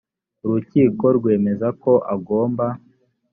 urukiko rwemeza ko agomba